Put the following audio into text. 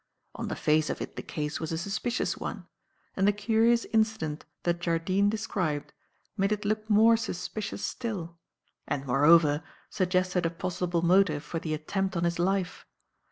On the face of it the case was a suspicious one; and the curious incident that Jardine described made it look more suspicious still and, moreover, suggested a possible motive for the attempt on his life.